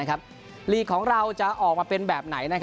ลีกของเราจะออกมาเป็นแบบไหน